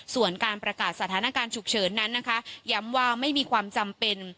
ส่วนการประกาศสถานการณ์ฉุกเฉินนั้นนะคะย้ำว่าไม่มีความจำเป็น